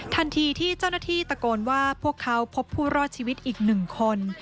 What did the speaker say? ทันทีที่เจ้าหน้าที่ตะโกนว่าพวกเขาพบผู้รอดชีวิตอีก๑คน